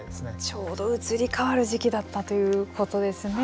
ちょうど移り変わる時期だったということですね。